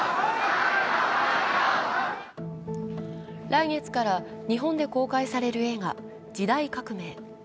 来月から日本で公開される映画「時代革命」。